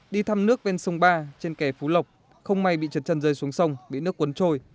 đi thăm nước bên sông ba trên kè phú lộc không may bị trật chân rơi xuống sông bị nước quấn trôi